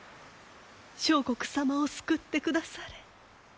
相国様を救ってくだされ。